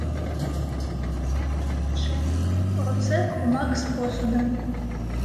Серп на плячы, у руцэ клумак з посудам.